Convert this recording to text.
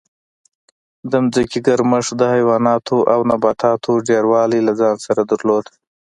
د ځمکې ګرمښت د حیواناتو او نباتاتو ډېروالی له ځان سره درلود